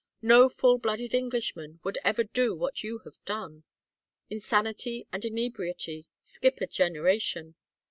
No full blooded Englishman would ever do what you have done. Insanity and inebriety skip a generation.